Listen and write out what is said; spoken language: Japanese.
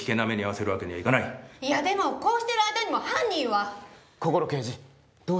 いやでもこうしている間にも犯人は。